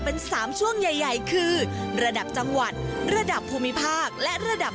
เป็น๓ช่วงใหญ่คือระดับจังหวัดระดับภูมิภาคและระดับ